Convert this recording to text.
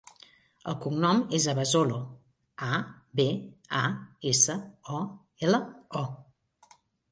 El cognom és Abasolo: a, be, a, essa, o, ela, o.